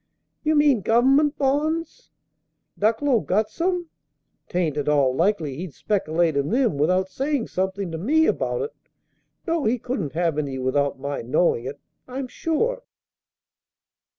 "You mean Gov'ment bonds? Ducklow got some? 'Tain't at all likely he'd spec'late in them without saying something to me about it. No, he couldn't have any without my knowing it, I'm sure."